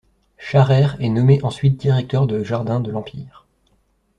Scharrer est nommé ensuite directeur de jardin de l'Empire.